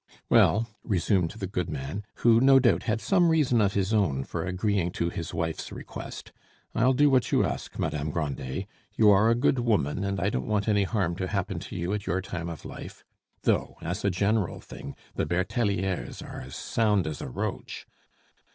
"Well," resumed the goodman, who no doubt had some reason of his own for agreeing to his wife's request, "I'll do what you ask, Madame Grandet. You are a good woman, and I don't want any harm to happen to you at your time of life, though as a general thing the Bertellieres are as sound as a roach.